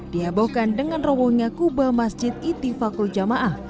dihabohkan dengan robohnya kubah masjid itifakatul jamaah